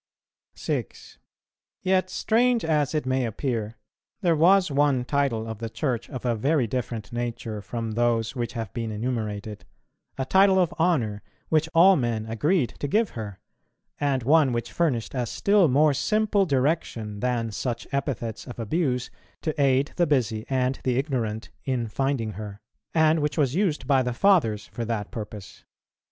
6. Yet, strange as it may appear, there was one title of the Church of a very different nature from those which have been enumerated, a title of honour, which all men agreed to give her, and one which furnished a still more simple direction than such epithets of abuse to aid the busy and the ignorant in finding her, and which was used by the Fathers for that purpose.